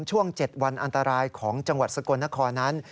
ช่วง๗วันอันตรายของจังหวัดสกลนครนั้น